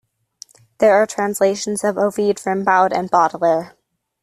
There are translations of Ovid, Rimbaud and Baudelaire.